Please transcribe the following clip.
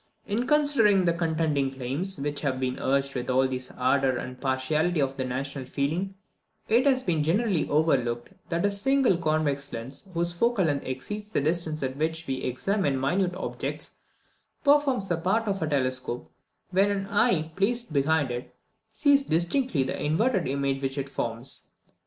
In considering the contending claims, which have been urged with all the ardour and partiality of national feeling, it has been generally overlooked, that a single convex lens, whose focal length exceeds the distance at which we examine minute objects, performs the part of a telescope, when an eye, placed behind it, sees distinctly the inverted image which it forms.